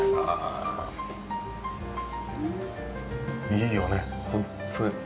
いいよね、本当に。